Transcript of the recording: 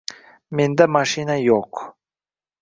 Menda mashina yo'q...